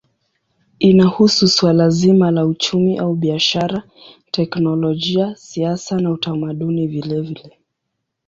Inahusu suala zima la uchumi au biashara, teknolojia, siasa na utamaduni vilevile.